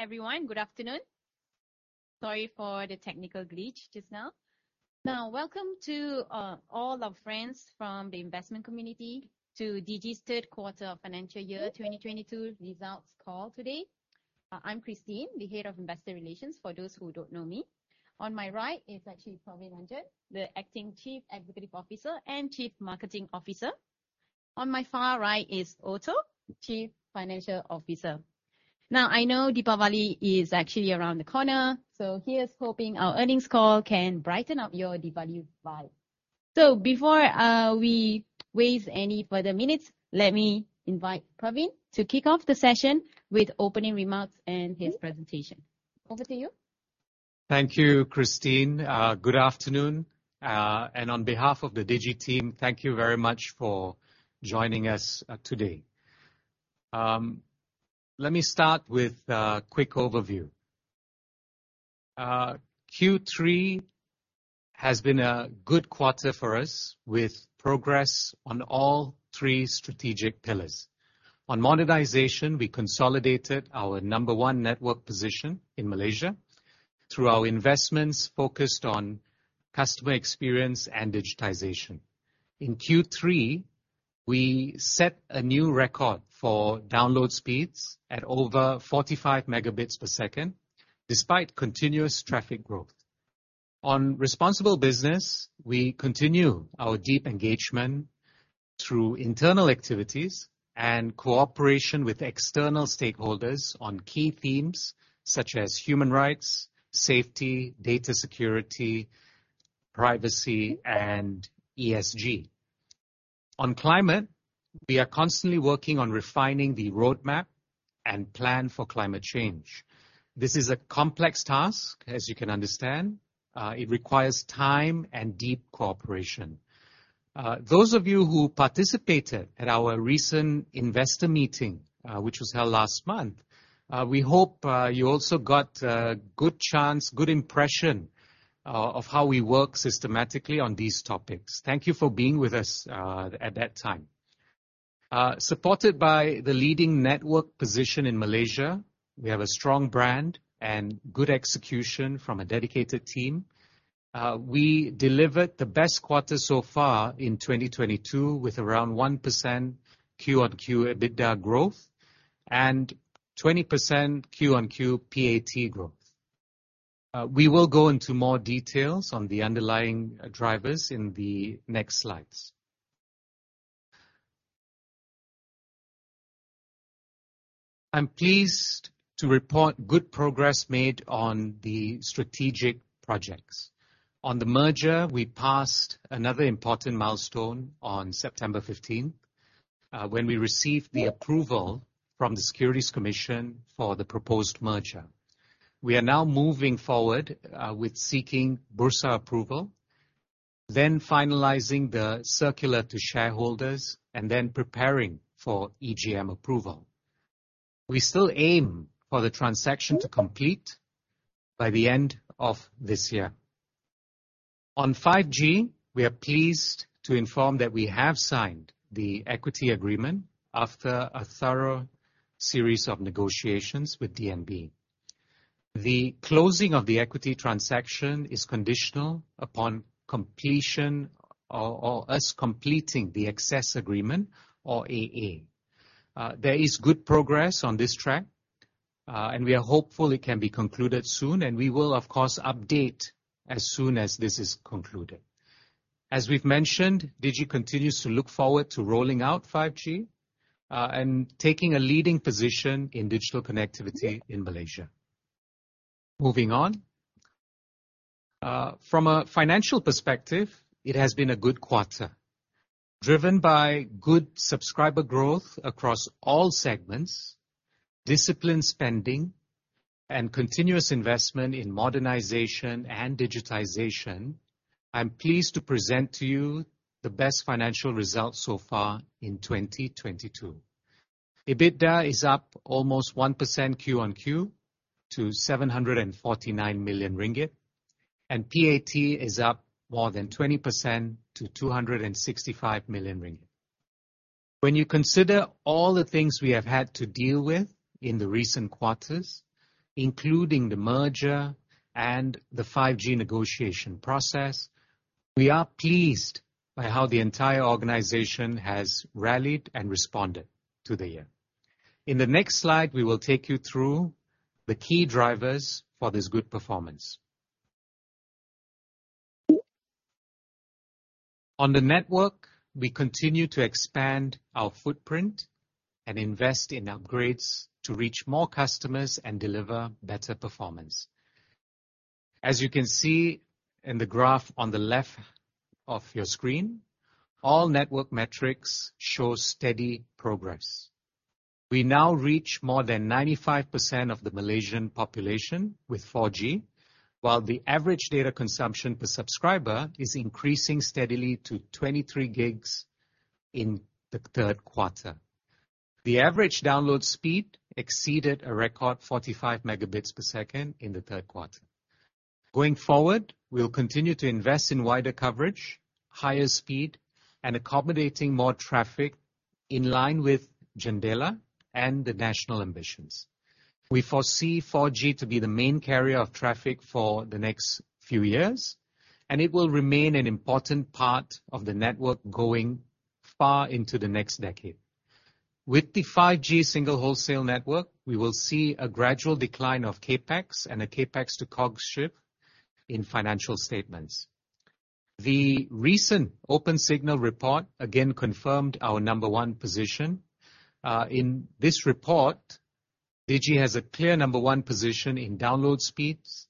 Hi, everyone. Good afternoon. Sorry for the technical glitch just now. Now, welcome to all our friends from the investment community to Digi's third quarter financial year 2022 results call today. I'm Christine, the Head of Investor Relations, for those who don't know me. On my right is actually Praveen Rajan, the Acting Chief Executive Officer and Chief Marketing Officer. On my far right is Otto, Chief Financial Officer. Now, I know Deepavali is actually around the corner, so here's hoping our earnings call can brighten up your Deepavali vibe. Before we waste any further minutes, let me invite Praveen to kick off the session with opening remarks and his presentation. Over to you. Thank you, Christine. Good afternoon. On behalf of the Digi team, thank you very much for joining us, today. Let me start with a quick overview. Q3 has been a good quarter for us, with progress on all three strategic pillars. On modernization, we consolidated our number one network position in Malaysia through our investments focused on customer experience and digitization. In Q3, we set a new record for download speeds at over 45 Mbps despite continuous traffic growth. On responsible business, we continue our deep engagement through internal activities and cooperation with external stakeholders on key themes such as human rights, safety, data security, privacy, and ESG. On climate, we are constantly working on refining the roadmap and plan for climate change. This is a complex task, as you can understand. It requires time and deep cooperation. Those of you who participated at our recent investor meeting, which was held last month, we hope you also got a good chance, good impression, of how we work systematically on these topics. Thank you for being with us at that time. Supported by the leading network position in Malaysia, we have a strong brand and good execution from a dedicated team. We delivered the best quarter so far in 2022 with around 1% QoQ EBITDA growth and 20% QoQ PAT growth. We will go into more details on the underlying drivers in the next slides. I'm pleased to report good progress made on the strategic projects. On the merger, we passed another important milestone on September fifteenth when we received the approval from the Securities Commission for the proposed merger. We are now moving forward with seeking Bursa approval, then finalizing the circular to shareholders, and then preparing for EGM approval. We still aim for the transaction to complete by the end of this year. On 5G, we are pleased to inform that we have signed the equity agreement after a thorough series of negotiations with DNB. The closing of the equity transaction is conditional upon completion or us completing the Access Agreement or AA. There is good progress on this track, and we are hopeful it can be concluded soon, and we will, of course, update as soon as this is concluded. As we've mentioned, Digi continues to look forward to rolling out 5G and taking a leading position in digital connectivity in Malaysia. Moving on. From a financial perspective, it has been a good quarter. Driven by good subscriber growth across all segments, disciplined spending, and continuous investment in modernization and digitization, I'm pleased to present to you the best financial results so far in 2022. EBITDA is up almost 1% Q-on-Q to 749 million ringgit, and PAT is up more than 20% to 265 million ringgit. When you consider all the things we have had to deal with in the recent quarters, including the merger and the 5G negotiation process, we are pleased by how the entire organization has rallied and responded to the year. In the next slide, we will take you through the key drivers for this good performance. On the network, we continue to expand our footprint and invest in upgrades to reach more customers and deliver better performance. As you can see in the graph on the left of your screen, all network metrics show steady progress. We now reach more than 95% of the Malaysian population with 4G, while the average data consumption per subscriber is increasing steadily to 23 GB in the third quarter. The average download speed exceeded a record 45 Mbps in the third quarter. Going forward, we'll continue to invest in wider coverage, higher speed, and accommodating more traffic in line with JENDELA and the national ambitions. We foresee 4G to be the main carrier of traffic for the next few years, and it will remain an important part of the network going far into the next decade. With the 5G single wholesale network, we will see a gradual decline of CapEx and a CapEx to COGS shift in financial statements. The recent Opensignal report again confirmed our number one position. In this report, Digi has a clear number one position in download speeds,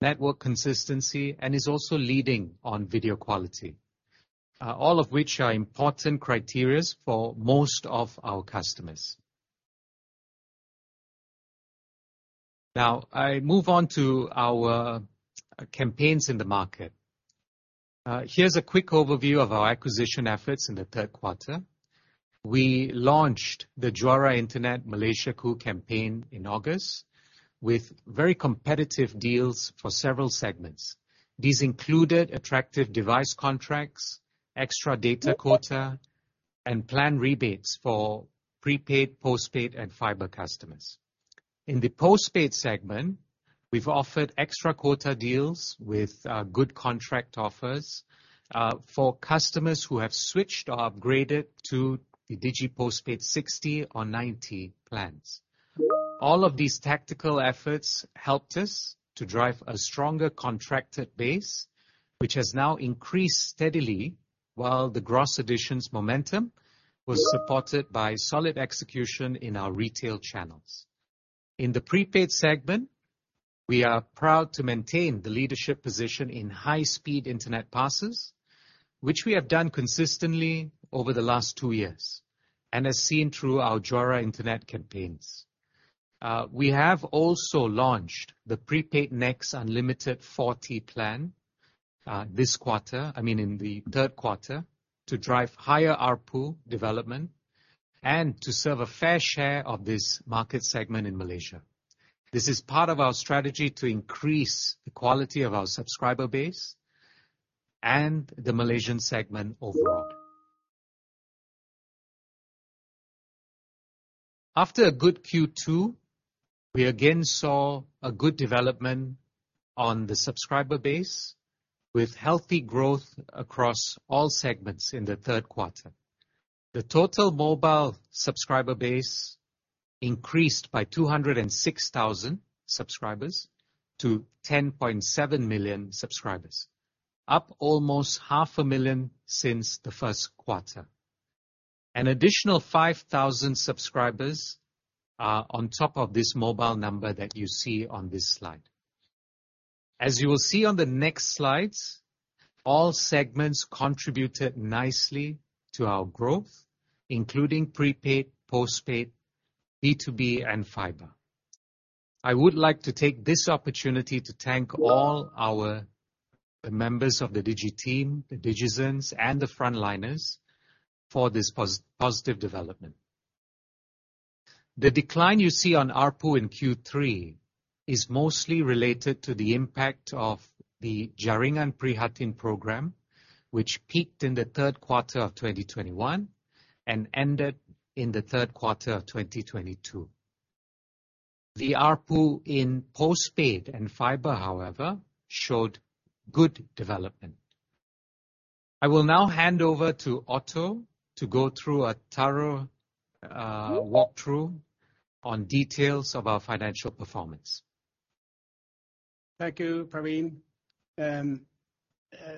network consistency, and is also leading on video quality, all of which are important criteria for most of our customers. Now, I move on to our campaigns in the market. Here's a quick overview of our acquisition efforts in the third quarter. We launched the Jom Internet Malaysiaku campaign in August with very competitive deals for several segments. These included attractive device contracts, extra data quota, and plan rebates for prepaid, postpaid, and fiber customers. In the postpaid segment, we've offered extra quota deals with good contract offers for customers who have switched or upgraded to the Digi Postpaid 60 or 90 plans. All of these tactical efforts helped us to drive a stronger contracted base, which has now increased steadily, while the gross additions momentum was supported by solid execution in our retail channels. In the prepaid segment, we are proud to maintain the leadership position in high-speed internet passes, which we have done consistently over the last two years, and as seen through our Jom Internet campaigns. We have also launched the Prepaid NEXT Unlimited 40 plan, this quarter, I mean in the third quarter, to drive higher ARPU development and to serve a fair share of this market segment in Malaysia. This is part of our strategy to increase the quality of our subscriber base and the Malaysian segment overall. After a good Q2, we again saw a good development on the subscriber base with healthy growth across all segments in the third quarter. The total mobile subscriber base increased by 206,000 subscribers to 10.7 million subscribers, up almost half a million since the first quarter. An additional 5,000 subscribers are on top of this mobile number that you see on this slide. As you will see on the next slides, all segments contributed nicely to our growth, including prepaid, postpaid, B2B, and fiber. I would like to take this opportunity to thank all our members of the Digi team, the Digizens, and the frontliners for this positive development. The decline you see on ARPU in Q3 is mostly related to the impact of the Jaringan Prihatin program, which peaked in the third quarter of 2021 and ended in the third quarter of 2022. The ARPU in postpaid and fiber, however, showed good development. I will now hand over to Otto to go through a thorough walkthrough on details of our financial performance. Thank you, Praveen.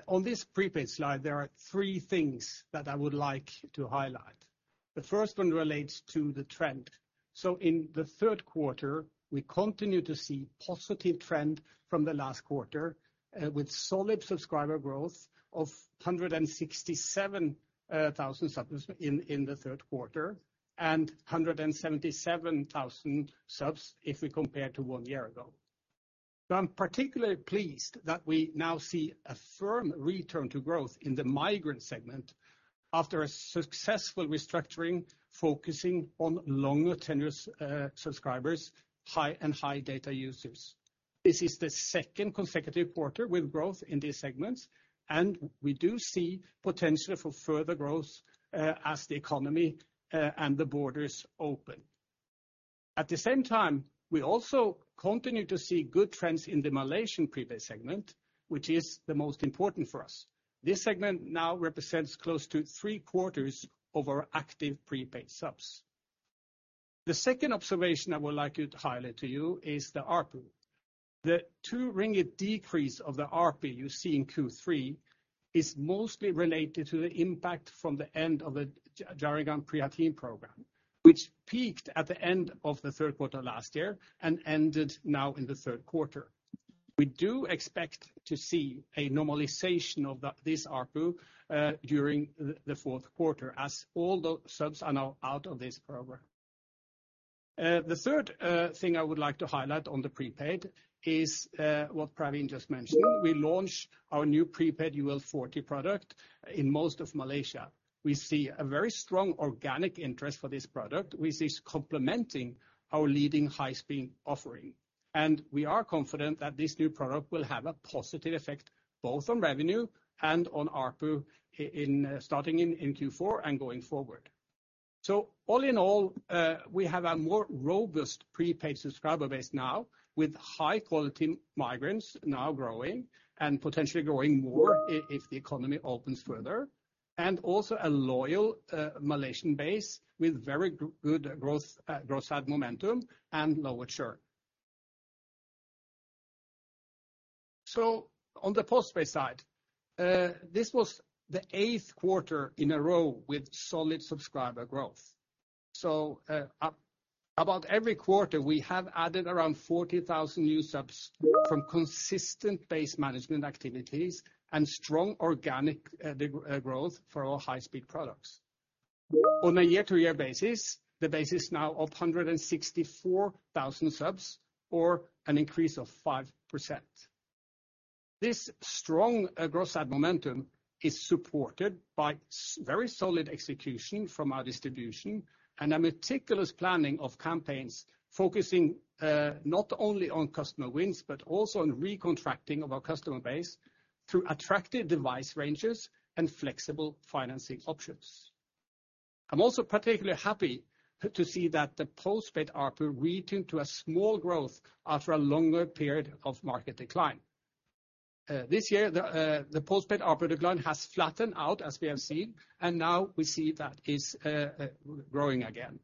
On this prepaid slide, there are three things that I would like to highlight. The first one relates to the trend. In the third quarter, we continue to see positive trend from the last quarter with solid subscriber growth of 167 thousand subs in the third quarter, and 177 thousand subs if we compare to one year ago. I'm particularly pleased that we now see a firm return to growth in the migrant segment after a successful restructuring, focusing on longer tenured subscribers, high data users. This is the second consecutive quarter with growth in these segments, and we do see potential for further growth as the economy and the borders open. At the same time, we also continue to see good trends in the Malaysian prepaid segment, which is the most important for us. This segment now represents close to three-quarters of our active prepaid subs. The second observation I would like to highlight to you is the ARPU. The 2 ringgit decrease of the ARPU you see in Q3 is mostly related to the impact from the end of the Jaringan Prihatin program, which peaked at the end of the third quarter last year and ended now in the third quarter. We do expect to see a normalization of that, this ARPU, during the fourth quarter as all the subs are now out of this program. The third thing I would like to highlight on the prepaid is what Praveen just mentioned. We launched our new prepaid Unlimited Forty product in most of Malaysia. We see a very strong organic interest for this product, which is complementing our leading high-speed offering. We are confident that this new product will have a positive effect both on revenue and on ARPU, starting in Q4 and going forward. All in all, we have a more robust prepaid subscriber base now, with high quality migrants now growing and potentially growing more if the economy opens further, and also a loyal Malaysian base with very good growth side momentum and lower churn. On the postpaid side, this was the eighth quarter in a row with solid subscriber growth. About every quarter, we have added around 40,000 new subs from consistent base management activities and strong organic growth for our high-speed products. On a year-to-year basis, the base is now up 164,000 subs or an increase of 5%. This strong growth side momentum is supported by very solid execution from our distribution and a meticulous planning of campaigns focusing not only on customer wins, but also on recontracting of our customer base through attractive device ranges and flexible financing options. I'm also particularly happy to see that the postpaid ARPU returned to a small growth after a longer period of market decline. This year, the postpaid ARPU decline has flattened out, as we have seen, and now we see that it's growing again.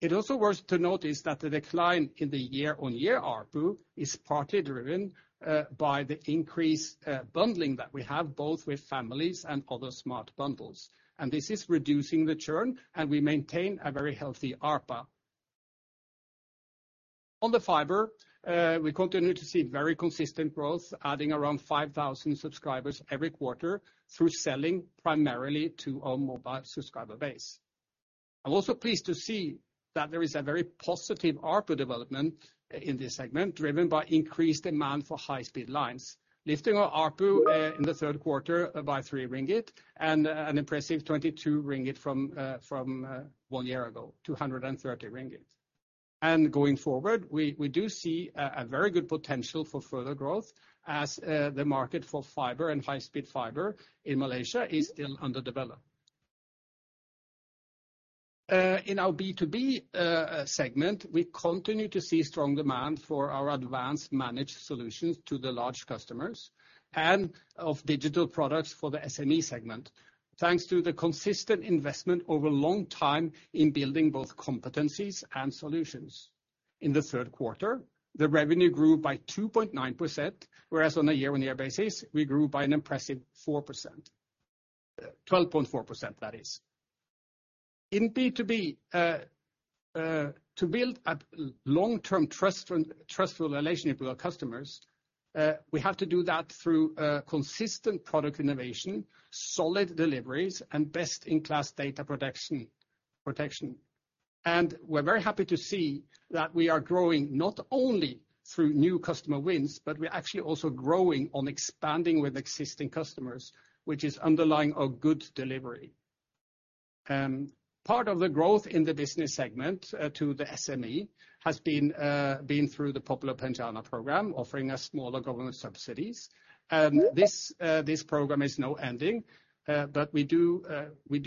It is also worth noting that the decline in the year-on-year ARPU is partly driven by the increased bundling that we have both with families and other smart bundles. This is reducing the churn, and we maintain a very healthy ARPA. On the fiber, we continue to see very consistent growth, adding around 5,000 subscribers every quarter through selling primarily to our mobile subscriber base. I'm also pleased to see that there is a very positive ARPU development in this segment, driven by increased demand for high-speed lines, lifting our ARPU in the third quarter by 3 ringgit and an impressive 22 ringgit from one year ago, 230 ringgit. Going forward, we do see a very good potential for further growth as the market for fiber and high-speed fiber in Malaysia is still underdeveloped. In our B2B segment, we continue to see strong demand for our advanced managed solutions to the large customers and of digital products for the SME segment. Thanks to the consistent investment over long time in building both competencies and solutions. In the third quarter, the revenue grew by 2.9%, whereas on a year-on-year basis, we grew by an impressive 4%. 12.4%, that is. In B2B, to build a long-term trustful relationship with our customers, we have to do that through consistent product innovation, solid deliveries, and best-in-class data protection. We're very happy to see that we are growing not only through new customer wins, but we're actually also growing on expanding with existing customers, which is underlying a good delivery. Part of the growth in the business segment to the SME has been through the popular PENJANA program, offering us smaller government subsidies. This program is now ending, but we do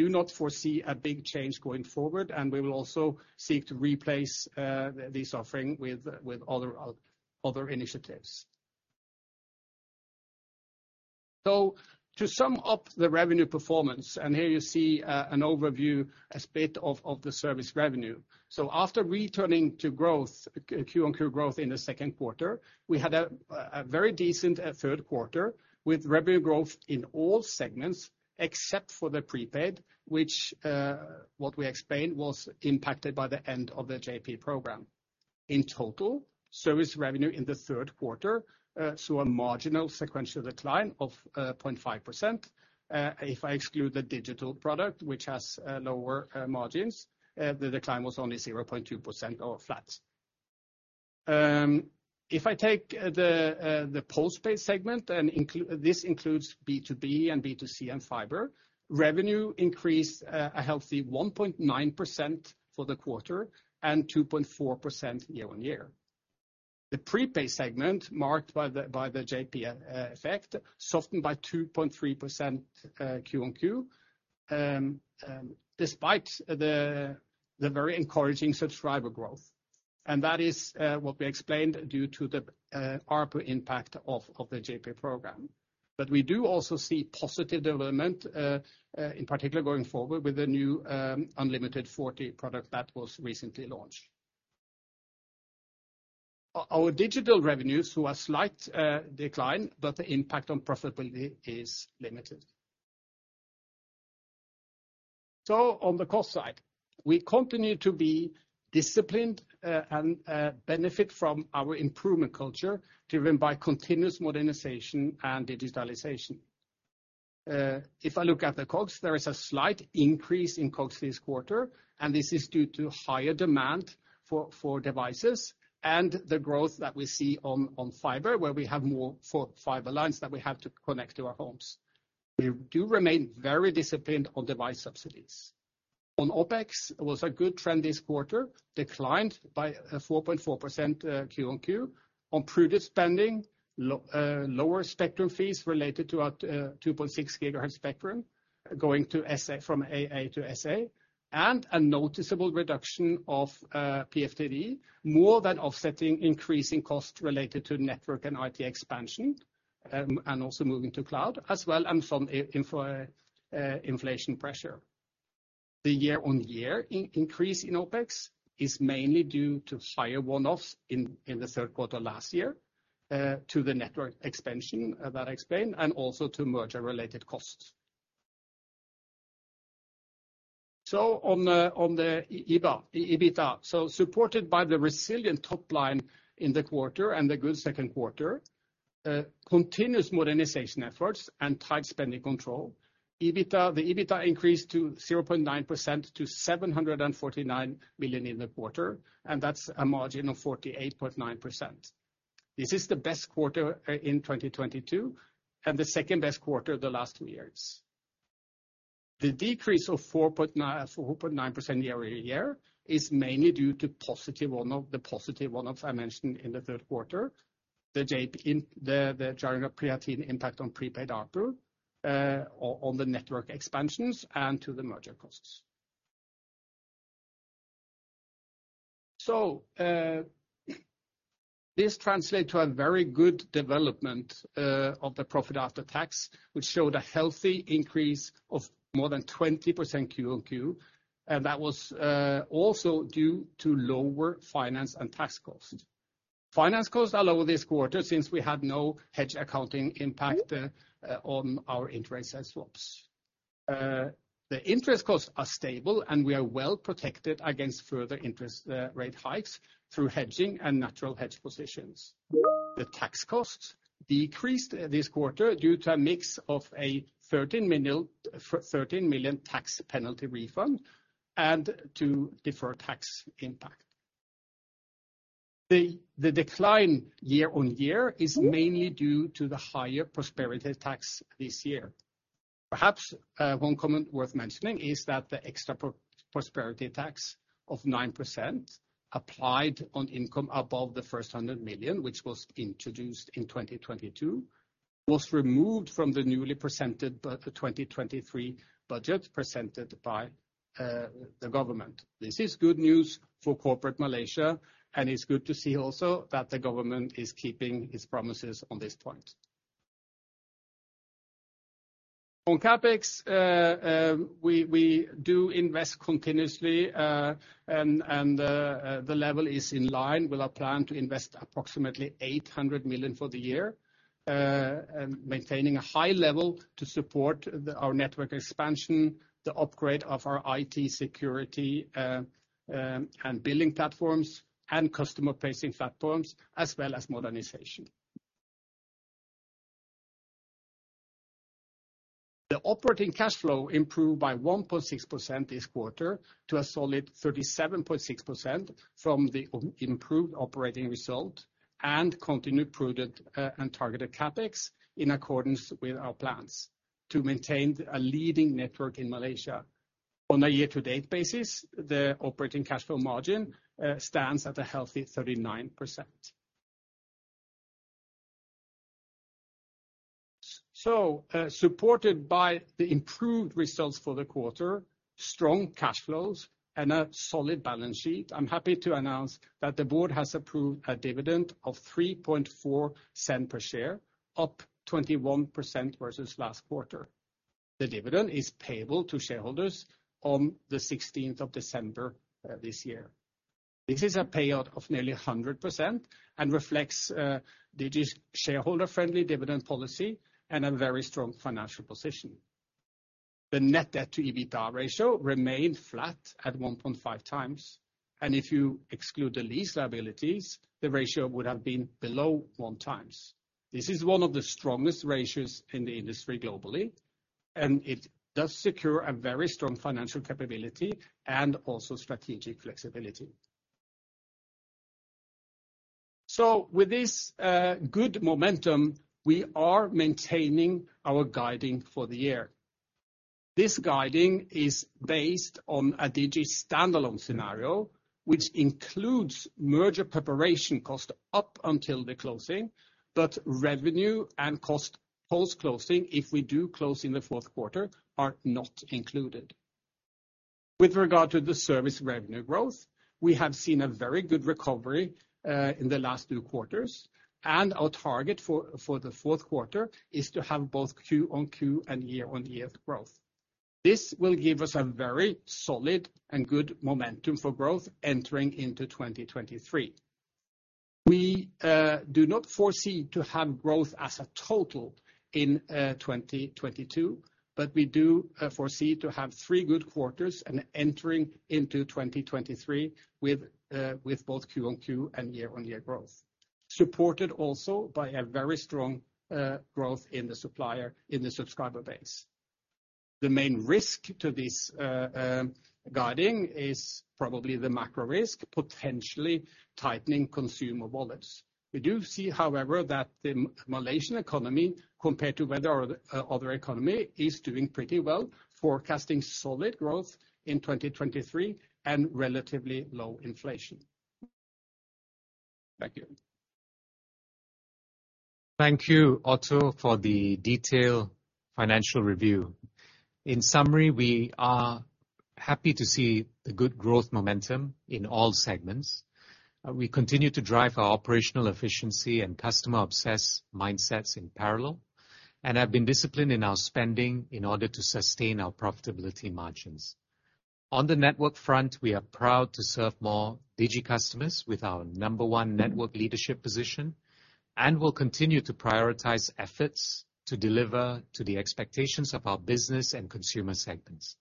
not foresee a big change going forward, and we will also seek to replace this offering with other initiatives. To sum up the revenue performance, here you see an overview, a split of the service revenue. After returning to growth, QoQ growth in the second quarter, we had a very decent third quarter with revenue growth in all segments except for the prepaid, which, what we explained, was impacted by the end of the JP program. In total, service revenue in the third quarter saw a marginal sequential decline of 0.5%. If I exclude the digital product, which has lower margins, the decline was only 0.2% or flat. If I take the postpaid segment, and this includes B2B and B2C and fiber, revenue increased a healthy 1.9% for the quarter and 2.4% year-on-year. The prepaid segment, marked by the JP effect, softened by 2.3% QoQ despite the very encouraging subscriber growth. That is what we explained due to the ARPU impact of the JP program. We do also see positive development in particular going forward with the new Unlimited Forty product that was recently launched. Our digital revenues saw a slight decline, but the impact on profitability is limited. On the cost side, we continue to be disciplined and benefit from our improvement culture driven by continuous modernization and digitalization. If I look at the COGS, there is a slight increase in COGS this quarter, and this is due to higher demand for devices and the growth that we see on fiber, where we have more fiber lines that we have to connect to our homes. We do remain very disciplined on device subsidies. Our OpEx was a good trend this quarter, declined by 4.4% QOQ on prudent spending, lower spectrum fees related to our 2.6 gigahertz spectrum going from AA to SA, and a noticeable reduction of PFTD, more than offsetting increasing costs related to network and IT expansion, and also moving to cloud as well, and from inflation pressure. The year-on-year increase in OpEx is mainly due to higher one-offs in the third quarter last year to the network expansion that I explained, and also to merger-related costs. On the EBITDA, supported by the resilient top line in the quarter and the good second quarter, continuous modernization efforts and tight spending control, EBITDA increased 0.9% to 749 million in the quarter, and that's a margin of 48.9%. This is the best quarter in 2022 and the second-best quarter of the last two years. The decrease of 4.9% year-over-year is mainly due to the positive one-off I mentioned in the third quarter, the JP, the Jaringan Prihatin impact on prepaid revenue, on the network expansions and to the merger costs. This translate to a very good development of the profit after tax, which showed a healthy increase of more than 20% QOQ, and that was also due to lower finance and tax costs. Finance costs are lower this quarter since we had no hedge accounting impact on our interest rate swaps. The interest costs are stable, and we are well protected against further interest rate hikes through hedging and natural hedge positions. The tax costs decreased this quarter due to a mix of a 13 million tax penalty refund and deferred tax impact. The decline year-on-year is mainly due to the higher Prosperity Tax this year. Perhaps one comment worth mentioning is that the extra Prosperity Tax of 9% applied on income above 100 million, which was introduced in 2022, was removed from the newly presented 2023 budget presented by the government. This is good news for corporate Malaysia, and it's good to see also that the government is keeping its promises on this point. On CapEx, we do invest continuously, and the level is in line with our plan to invest approximately 800 million for the year, maintaining a high level to support our network expansion, the upgrade of our IT security, and billing platforms and customer-facing platforms, as well as modernization. The operating cash flow improved by 1.6% this quarter to a solid 37.6% from the improved operating result and continued prudent and targeted CapEx in accordance with our plans to maintain a leading network in Malaysia. On a year-to-date basis, the operating cash flow margin stands at a healthy 39%. Supported by the improved results for the quarter, strong cash flows, and a solid balance sheet, I'm happy to announce that the board has approved a dividend of 3.4 sen per share, up 21% versus last quarter. The dividend is payable to shareholders on the 16th of December this year. This is a payout of nearly 100% and reflects Digi's shareholder-friendly dividend policy and a very strong financial position. The net debt to EBITDA ratio remained flat at 1.5x, and if you exclude the lease liabilities, the ratio would have been below 1x. This is one of the strongest ratios in the industry globally, and it does secure a very strong financial capability and also strategic flexibility. With this good momentum, we are maintaining our guidance for the year. This guidance is based on a Digi stand-alone scenario, which includes merger preparation cost up until the closing, but revenue and cost post-closing, if we do close in the fourth quarter, are not included. With regard to the service revenue growth, we have seen a very good recovery in the last two quarters, and our target for the fourth quarter is to have both Q-on-Q and year-on-year growth. This will give us a very solid and good momentum for growth entering into 2023. We do not foresee to have growth as a total in 2022, but we do foresee to have three good quarters and entering into 2023 with both Q-on-Q and year-on-year growth, supported also by a very strong growth in the subscriber base. The main risk to this guidance is probably the macro risk, potentially tightening consumer wallets. We do see, however, that the Malaysian economy, compared to other economies, is doing pretty well, forecasting solid growth in 2023 and relatively low inflation. Thank you. Thank you, Otto, for the detailed financial review. In summary, we are happy to see the good growth momentum in all segments. We continue to drive our operational efficiency and customer obsessed mindsets in parallel, and have been disciplined in our spending in order to sustain our profitability margins. On the network front, we are proud to serve more Digi customers with our number one network leadership position, and we'll continue to prioritize efforts to deliver to the expectations of our business and consumer segments.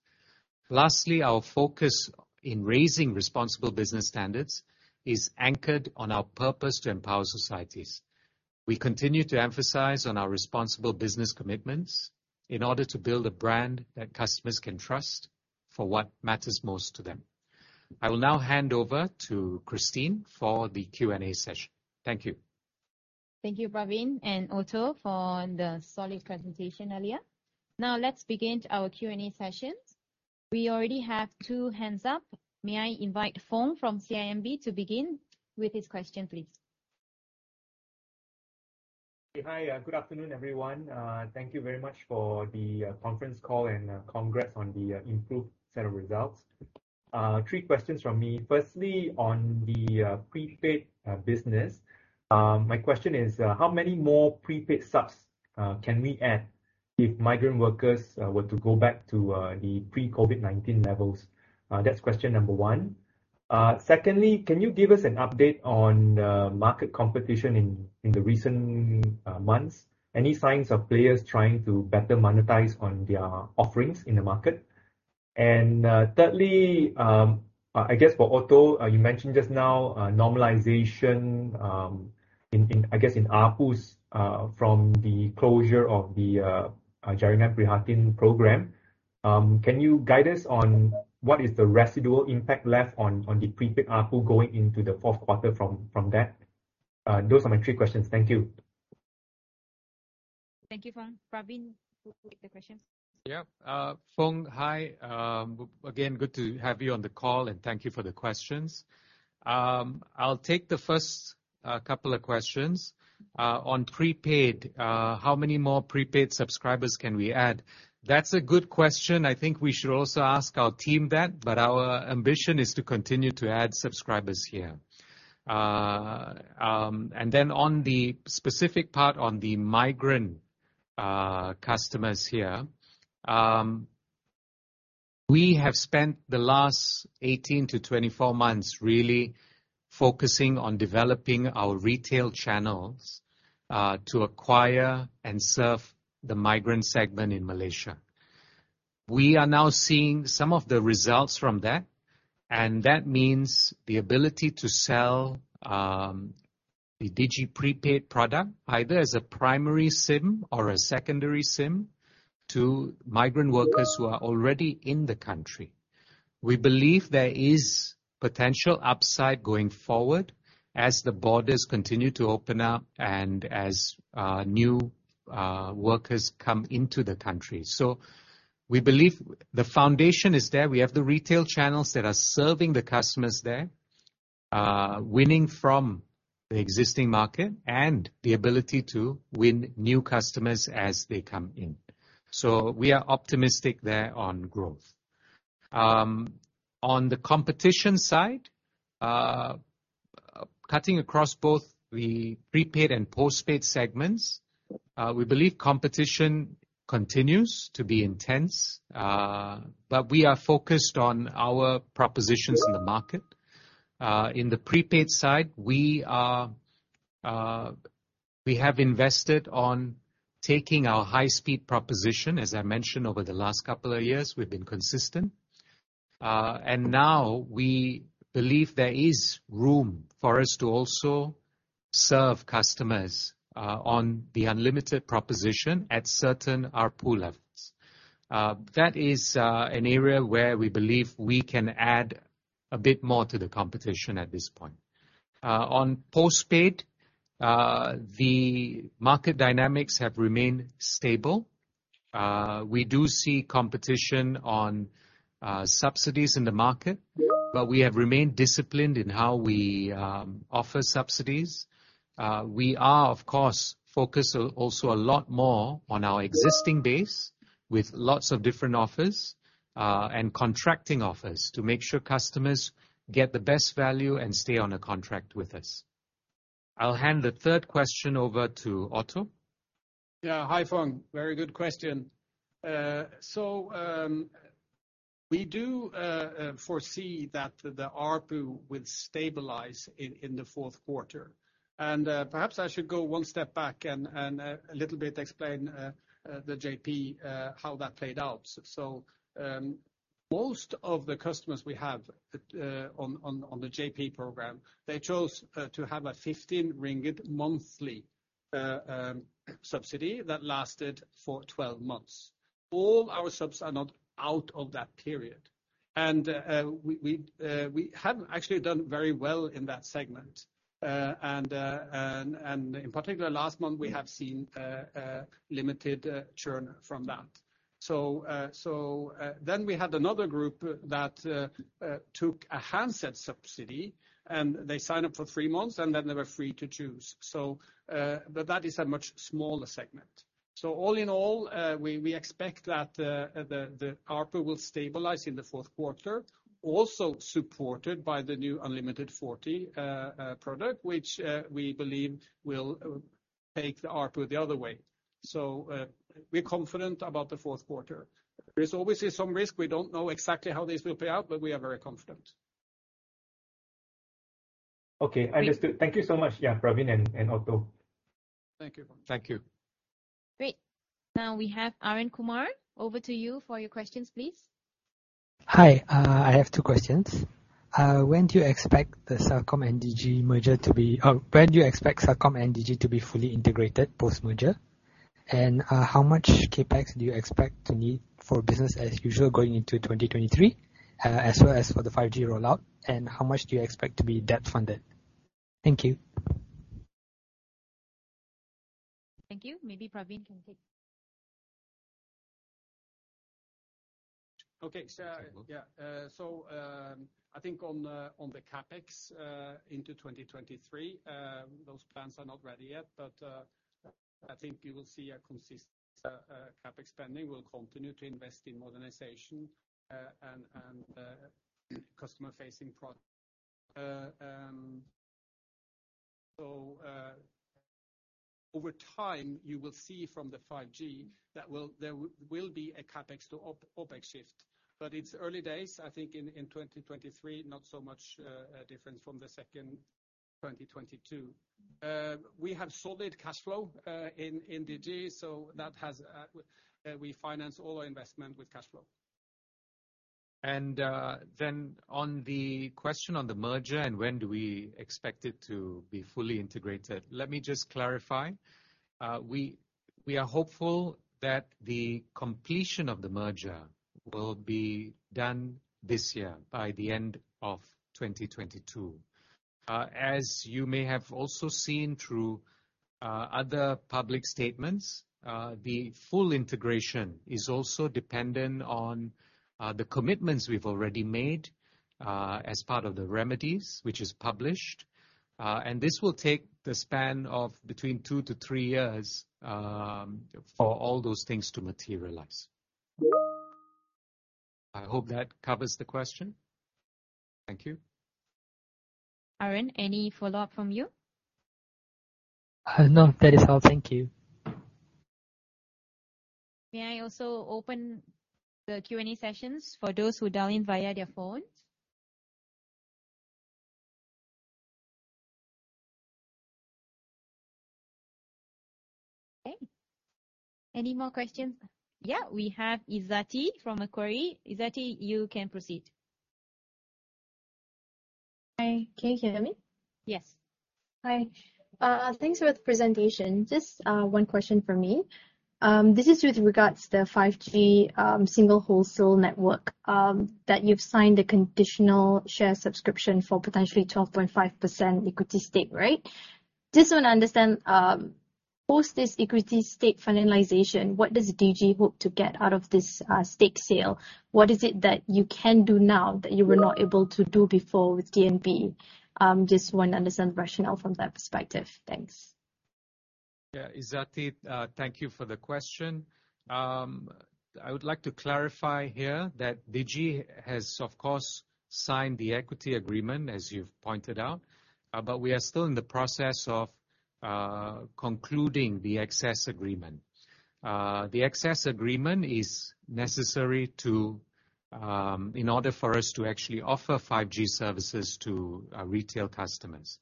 Lastly, our focus in raising responsible business standards is anchored on our purpose to empower societies. We continue to emphasize on our responsible business commitments in order to build a brand that customers can trust for what matters most to them. I will now hand over to Christine for the Q&A session. Thank you. Thank you, Praveen and Otto, for the solid presentation earlier. Now let's begin our Q&A session. We already have two hands up. May I invite Foong from CIMB to begin with his question, please? Hi. Good afternoon, everyone. Thank you very much for the conference call and congrats on the improved set of results. Three questions from me. Firstly, on the prepaid business, my question is, how many more prepaid subs can we add if migrant workers were to go back to the pre-COVID-19 levels? That's question number one. Secondly, can you give us an update on market competition in the recent months? Any signs of players trying to better monetize on their offerings in the market? Thirdly, I guess for Otto, you mentioned just now normalization in, I guess, in ARPU from the closure of the Jaringan Prihatin program. Can you guide us on what is the residual impact left on the prepaid ARPU going into the fourth quarter from that? Those are my three questions. Thank you. Thank you, Foong. Praveen, repeat the questions. Yeah. Foong, hi, again, good to have you on the call, and thank you for the questions. I'll take the first couple of questions on prepaid. How many more prepaid subscribers can we add? That's a good question. I think we should also ask our team that, but our ambition is to continue to add subscribers here. On the specific part on the migrant customers here, we have spent the last 18-24 months really focusing on developing our retail channels to acquire and serve the migrant segment in Malaysia. We are now seeing some of the results from that, and that means the ability to sell the Digi prepaid product either as a primary SIM or a secondary SIM to migrant workers who are already in the country. We believe there is potential upside going forward as the borders continue to open up and as new workers come into the country. We believe the foundation is there. We have the retail channels that are serving the customers there, winning from the existing market and the ability to win new customers as they come in. We are optimistic there on growth. On the competition side, cutting across both the prepaid and postpaid segments, we believe competition continues to be intense, but we are focused on our propositions in the market. In the prepaid side, we have invested on taking our high speed proposition. As I mentioned over the last couple of years, we've been consistent, and now we believe there is room for us to also serve customers on the unlimited proposition at certain ARPU levels. That is an area where we believe we can add a bit more to the competition at this point. On postpaid, the market dynamics have remained stable. We do see competition on subsidies in the market, but we have remained disciplined in how we offer subsidies. We are, of course, focused also a lot more on our existing base with lots of different offers and contracting offers to make sure customers get the best value and stay on a contract with us. I'll hand the third question over to Otto. Yeah. Hi, Foong. Very good question. We foresee that the ARPU will stabilize in the fourth quarter. Perhaps I should go one step back and a little bit explain the JP how that played out. Most of the customers we have on the JP program, they chose to have a 15 ringgit monthly subsidy that lasted for 12 months. All our subs are not out of that period. We have actually done very well in that segment. In particular last month, we have seen limited churn from that. We had another group that took a handset subsidy, and they sign up for three months, and then they were free to choose. That is a much smaller segment. All in all, we expect that the ARPU will stabilize in the fourth quarter, also supported by the new Unlimited Forty product, which we believe will take the ARPU the other way. We're confident about the fourth quarter. There's obviously some risk. We don't know exactly how this will play out, but we are very confident. Okay, understood. Thank you so much. Yeah. Praveen and Otto. Thank you. Thank you. Great. Now we have Arun Kumar. Over to you for your questions, please. Hi. I have two questions. When do you expect Celcom and Digi to be fully integrated post-merger? How much CapEx do you expect to need for business as usual going into 2023, as well as for the 5G rollout? How much do you expect to be debt-funded? Thank you. Thank you. Maybe Praveen can take. I think on the CapEx into 2023, those plans are not ready yet. I think you will see a consistent CapEx spending. We'll continue to invest in modernization. Over time, you will see from the 5G there will be a CapEx to OpEx shift. It's early days. I think in 2023, not so much difference from the second half of 2022. We have solid cash flow in Digi, so we finance all our investment with cash flow. On the question on the merger and when do we expect it to be fully integrated, let me just clarify. We are hopeful that the completion of the merger will be done this year, by the end of 2022. As you may have also seen through other public statements, the full integration is also dependent on the commitments we've already made as part of the remedies, which is published. This will take the span of between 2-3 years for all those things to materialize. I hope that covers the question. Thank you. Arun, any follow-up from you? No. That is all. Thank you. May I also open the Q&A sessions for those who dial in via their phones? Okay. Any more questions? Yeah, we have Izzati from Macquarie. Izzati, you can proceed. Hi. Can you hear me? Yes. Hi. Thanks for the presentation. Just one question from me. This is with regards to the 5G single wholesale network that you've signed a conditional share subscription for potentially 12.5% equity stake, right? Just wanna understand post this equity stake finalization, what does Digi hope to get out of this stake sale? What is it that you can do now that you were not able to do before with DNB? Just wanna understand the rationale from that perspective. Thanks. Yeah. Izzati, thank you for the question. I would like to clarify here that Digi has, of course, signed the equity agreement, as you've pointed out. But we are still in the process of concluding the access agreement. The access agreement is necessary to, in order for us to actually offer 5G services to retail customers.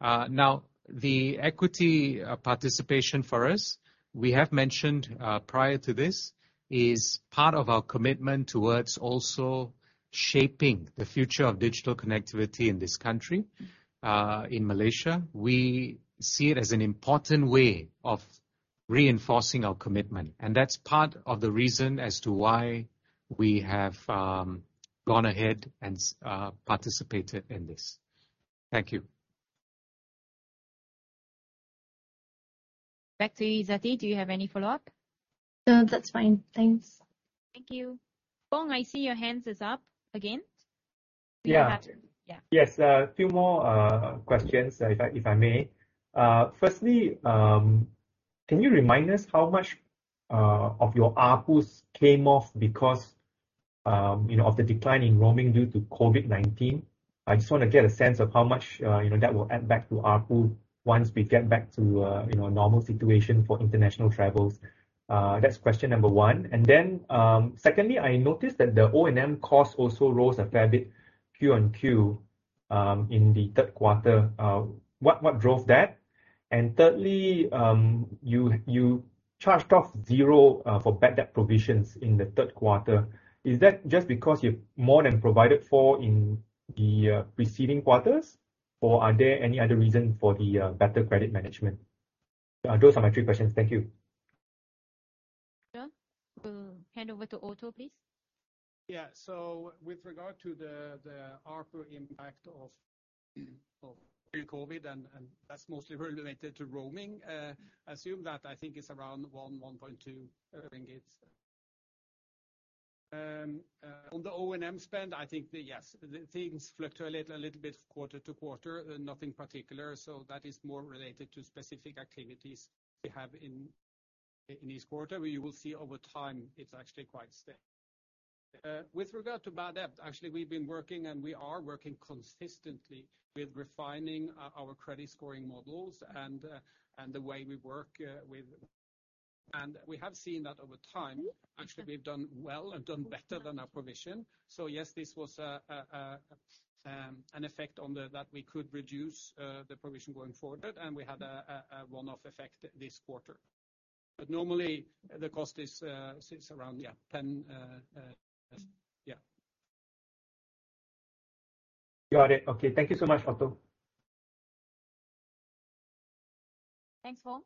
Now, the equity participation for us, we have mentioned prior to this, is part of our commitment towards also shaping the future of digital connectivity in this country, in Malaysia. We see it as an important way of reinforcing our commitment, and that's part of the reason as to why we have gone ahead and participated in this. Thank you. Back to you, Izzati. Do you have any follow-up? No, that's fine. Thanks. Thank you. Fong, I see your hand is up again. Yeah. Yeah. Yes. A few more questions if I may. Firstly, can you remind us how much of your ARPUs came off because, you know, of the decline in roaming due to COVID-19? I just wanna get a sense of how much, you know, that will add back to ARPU once we get back to, you know, a normal situation for international travels. That's question number one. Then, secondly, I noticed that the O&M cost also rose a fair bit Q on Q in the third quarter. What drove that? And thirdly, you charged off zero for bad debt provisions in the third quarter. Is that just because you've more than provided for in the preceding quarters, or are there any other reason for the better credit management? Those are my three questions. Thank you. Sure. We'll hand over to Otto, please. With regard to the ARPU impact of pre-COVID, that's mostly related to roaming. I assume it's around 1.2 ringgit. On the O&M spend, I think that yes, things fluctuate a little bit quarter to quarter, nothing particular. That is more related to specific activities we have in each quarter. You will see over time it's actually quite steady. With regard to bad debt, actually, we've been working and we are working consistently with refining our credit scoring models and the way we work. We have seen that over time. Actually, we've done well and done better than our provision. Yes, this was an effect that we could reduce the provision going forward. We had a one-off effect this quarter. Normally the cost sits around 10. Got it. Okay. Thank you so much, Otto. Thanks, Fong.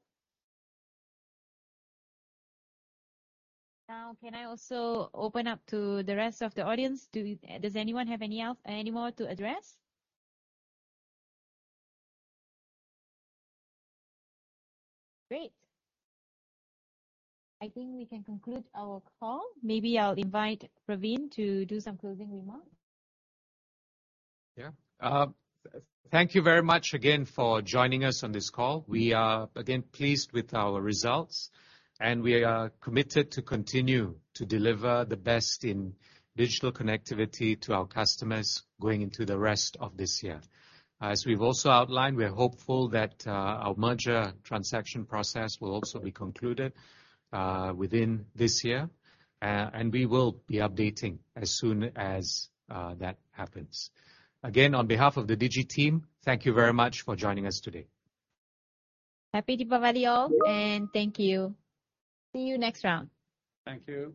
Now, can I also open up to the rest of the audience? Does anyone have any more to address? Great. I think we can conclude our call. Maybe I'll invite Praveen to do some closing remarks. Yeah. Thank you very much again for joining us on this call. We are again pleased with our results, and we are committed to continue to deliver the best in digital connectivity to our customers going into the rest of this year. As we've also outlined, we're hopeful that our merger transaction process will also be concluded within this year. We will be updating as soon as that happens. Again, on behalf of the Digi team, thank you very much for joining us today. Happy Deepavali, all, and thank you. See you next round. Thank you.